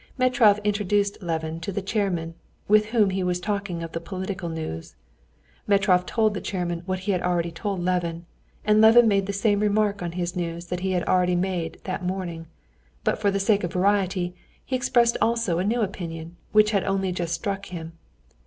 Metrov introduced Levin to the chairman, with whom he was talking of the political news. Metrov told the chairman what he had already told Levin, and Levin made the same remarks on his news that he had already made that morning, but for the sake of variety he expressed also a new opinion which had only just struck him.